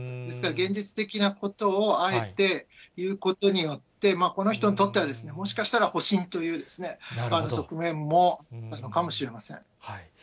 ですから、現実的なことを、あえて言うことによって、この人にとっては、もしかしたら、保身という側面もあるのかもしれません。